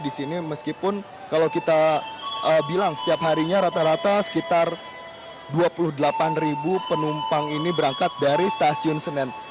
di sini meskipun kalau kita bilang setiap harinya rata rata sekitar dua puluh delapan penumpang ini berangkat dari stasiun senen